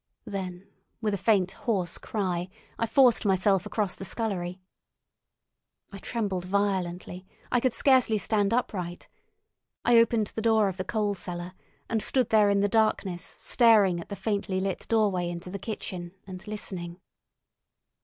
Then, with a faint, hoarse cry, I forced myself across the scullery. I trembled violently; I could scarcely stand upright. I opened the door of the coal cellar, and stood there in the darkness staring at the faintly lit doorway into the kitchen, and listening.